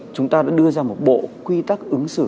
chúng ta đã đưa ra một bộ quy tắc ứng xử